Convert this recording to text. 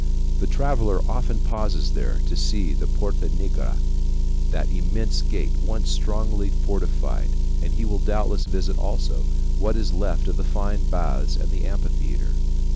The traveler often pauses there to see the Porta Nigra, that immense gate once strongly fortified, and he will doubtless visit also what is left of the fine baths and amphitheater.